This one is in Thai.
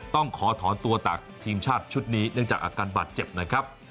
ต้องขอถอนตัวจากทีมชาติชุดนี้เนื่องจากอาการบาดเจ็บนะครับ